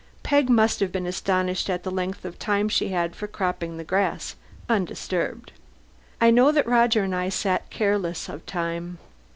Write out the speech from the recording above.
Peg must have been astonished at the length of time she had for cropping the grass, undisturbed. I know that Roger and I sat careless of time.